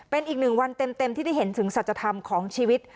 เป็นอีกหนึ่งวันเต็มที่ได้เห็นถึงสัจธรรมของชีวิต